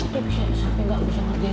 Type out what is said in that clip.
tapi bisa tapi nggak bisa lagi acara di depan